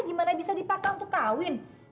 gimana bisa dipaksa untuk kawin